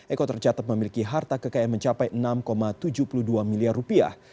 eko tercatat memiliki harta kekayaan mencapai enam tujuh puluh dua miliar rupiah